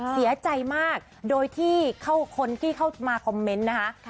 เสียใจมากโดยที่คนที่เข้ามาคอมเมนต์นะคะ